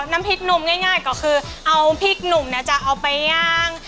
น้ำพริกหนุ่มง่ายก็คือเอาพริกหนุ่มเนี่ยจะเอาไปย่าง